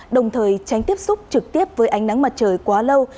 đồng thời tránh tiếp xúc trực tiếp với ánh nắng mặt trời quá lâu